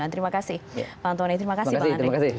terima kasih penonton ini terima kasih pak andri